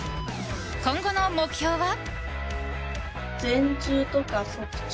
今後の目標は？